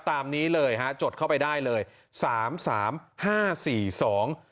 ตามนี้เลยฮะจดเข้าไปได้เลยสามสามห้าสี่สอง